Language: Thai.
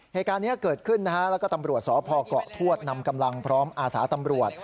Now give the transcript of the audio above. เหตุการณ์นี้เกิดขึ้นนะฮะแล้วก็ตำรวจสพเกาะทวดนำกำลังพร้อมอาสาตำรวจ